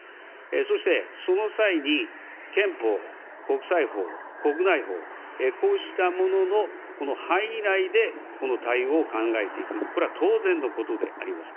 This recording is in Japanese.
そして、その際に憲法、国際法、国内法、こうしたもののこの範囲内で対応を考えていく、これは当然のことであります。